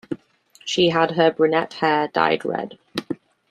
She had her brunette hair dyed red.